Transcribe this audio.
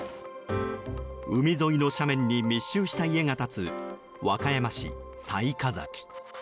海沿いの斜面に密集した家が立つ和歌山市雑賀崎。